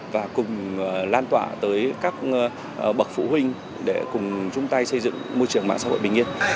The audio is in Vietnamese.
và cùng lan tỏa tới các bậc phụ huynh để cùng chung tay xây dựng môi trường mạng xã hội bình yên